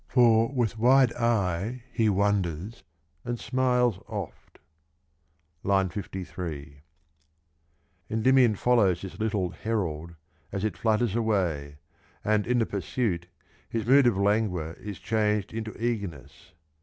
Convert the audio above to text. For with wide eye he wonders, and smiles oft. (II. 53) Endymion follows this little herald as it flutters away, and in the pursuit his mood of languor is changed into eagerness.